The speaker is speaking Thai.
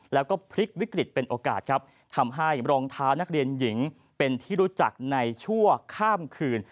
แล้วก็พลิกวิกฤตเป็นโอกาสครับทำให้รองเท้านักเรียนหญิงเป็นที่รู้จักในชั่วข้ามคืน